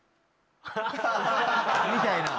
みたいな。